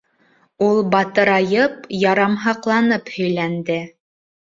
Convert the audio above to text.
Ул батырайып, ярамһаҡланып һөйләнде.